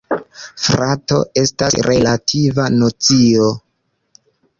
Frato estas relativa nocio.